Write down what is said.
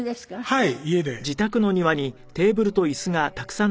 はい。